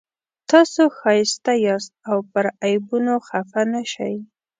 تاسو ښایسته یاست که پر عیبونو خفه نه شئ.